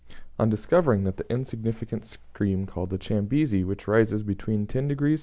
On discovering that the insignificant stream called the Chambezi, which rises between 10 degrees S.